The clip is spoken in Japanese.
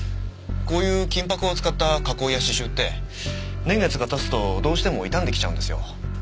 こういう金箔を使った加工や刺繍って年月が経つとどうしても傷んできちゃうんですよ。